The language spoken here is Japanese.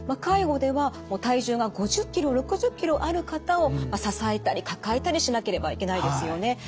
介護では体重が５０ｋｇ６０ｋｇある方を支えたり抱えたりしなければいけないですよね。